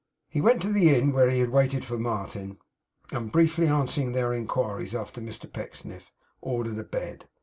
He went to the inn where he had waited for Martin, and briefly answering their inquiries after Mr Pecksniff, ordered a bed.